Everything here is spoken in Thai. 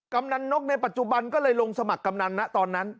กำนันนกในปัจจุบันก็เลยลงสมัครกำนันนะตอนนั้น